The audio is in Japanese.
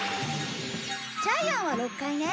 ジャイアンは６階ね。